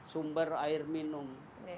sumber air minum